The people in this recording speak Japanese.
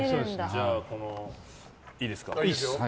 じゃあ、いいですか。